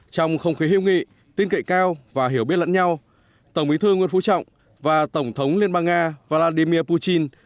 trong không khí hiệu nghị tin cậy cao và hiểu biết lẫn nhau tổng bí thư nguyễn phú trọng và tổng thống liên bang nga vladimir putin